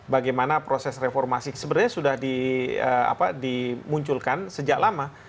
bagaimana proses reformasi sebenarnya sudah dimunculkan sejak lama